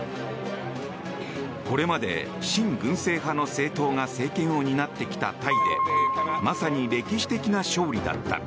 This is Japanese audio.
これまで親軍政派の政党が政権を担ってきたタイでまさに歴史的な勝利だった。